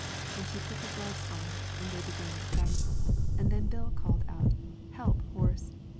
And she put her gloves on, and they began the fight, and then Bill called out, ' Help, horse.'